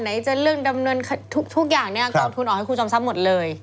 จะเรื่องดำเนินทุกอย่างเนี่ยกองทุนออกให้ครูจอมทรัพย์หมดเลย